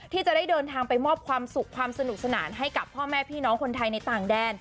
ที่จะได้เดินทางไปมอบความสุขความสนุกสนานให้กับพ่อแม่พี่น้องคนไทยในต่างแดน